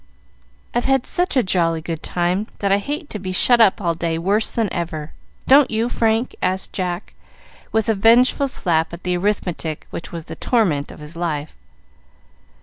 "I've had such a jolly good time, that I hate to be shut up all day worse than ever. Don't you, Frank?" asked Jack, with a vengeful slap at the arithmetic which was the torment of his life.